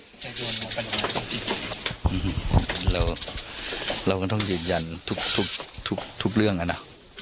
เด็กจะโดนมาเป็นอย่างจริงจริงเราเราก็ต้องเย็นยันทุบทุบทุบเรื่องน่ะ